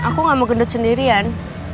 aku gak mau gendut sendirian